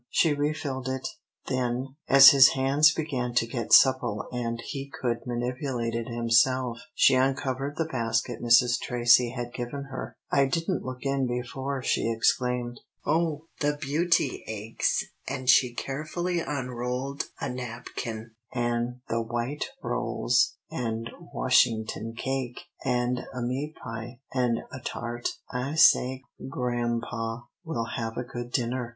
She refilled it, then, as his hands began to get supple and he could manipulate it himself, she uncovered the basket Mrs. Tracy had given her. "I didn't look in before," she exclaimed. "Oh, the beauty eggs!" and she carefully unrolled a napkin, "an' the white rolls, an' Washington cake, an' a meat pie, an' a tart I say, grampa, we'll have a good dinner!"